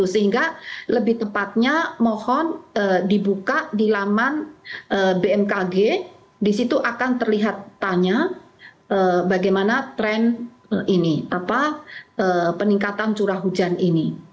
sehingga lebih tepatnya mohon dibuka di laman bmkg disitu akan terlihat tanya bagaimana tren ini apa peningkatan curah hujan ini